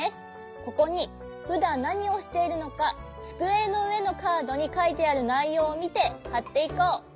ここにふだんなにをしているのかつくえのうえのカードにかいてあるないようをみてはっていこう。